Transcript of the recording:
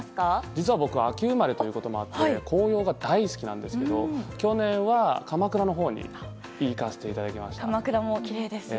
実は僕、秋生まれなので紅葉が大好きなんですが去年は鎌倉のほうに行かせていただきました。